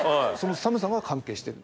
寒さが関係している？